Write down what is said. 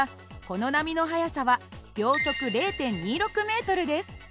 この波の速さは秒速０．２６ｍです。